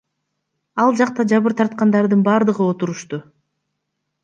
Ал жакта жабыр тарткандардын бардыгы отурушту.